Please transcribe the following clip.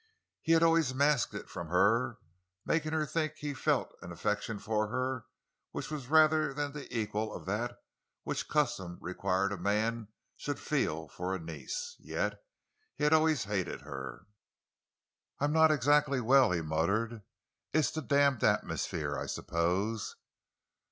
He had always masked it from her, making her think he felt an affection for her which was rather the equal of that which custom required a man should feel for a niece. Yet he had always hated her. "I'm not exactly well," he muttered. "It's the damned atmosphere, I suppose."